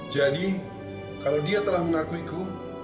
jadi kalau dia telah mengakui ku